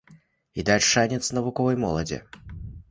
І даць шанец навуковай моладзі.